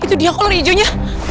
itu dia kolor ijonya